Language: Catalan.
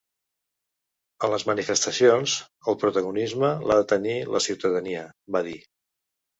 “En les manifestacions, el protagonisme l’ha de tenir la ciutadania”, va dir.